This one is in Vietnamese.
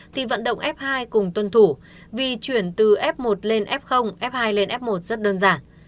thì vận động f hai cùng tuân thủ vì chuyển từ f một lên f f hai lên f một rất đơn giản